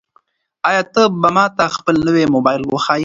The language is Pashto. آیا ته به ماته خپل نوی موبایل وښایې؟